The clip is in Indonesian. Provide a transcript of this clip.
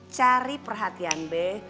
cari perhatian be